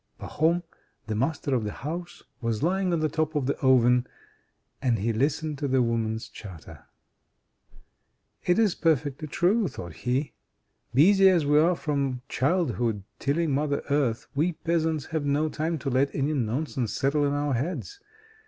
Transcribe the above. Pahom, the master of the house, was lying on the top of the oven, and he listened to the women's chatter. "It is perfectly true," thought he. "Busy as we are from childhood tilling Mother Earth, we peasants have no time to let any nonsense settle in our heads.